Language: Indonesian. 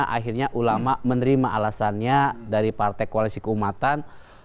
akhirnya ulama menerima alasannya dari partai koalisi keumatan